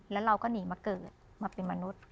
แล้วเราก็หนีมาเกิดมาเป็นมนุษย์